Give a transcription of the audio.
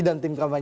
dan tim kampanye